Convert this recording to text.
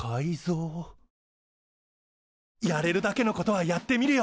やれるだけのことはやってみるよ！